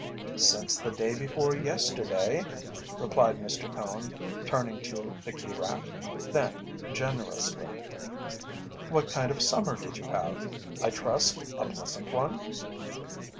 "Since the day before yesterday," replied Mr. Cone, turning to the key rack. Then generously: "What kind of a summer did you have? I trust, a pleasant one."